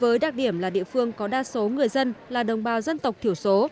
với đặc điểm là địa phương có đa số người dân là đồng bào dân tộc thiểu số